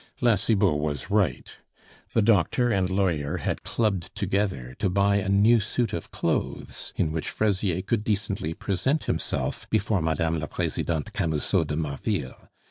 La Cibot was right. The doctor and lawyer had clubbed together to buy a new suit of clothes in which Fraisier could decently present himself before Mme. la Presidente Camusot de Marville.